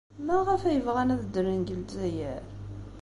Maɣef ay bɣan ad ddren deg Lezzayer?